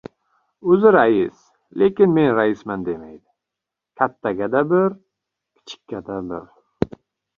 O‘zi, rais! Lekin men raisman, demaydi! Kattaga-da bir, kichikka-da bir!